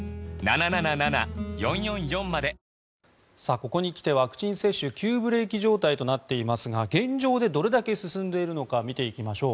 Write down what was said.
ここに来てワクチン接種急ブレーキ状態となっていますが現状でどれだけ進んでいるのか見ていきましょう。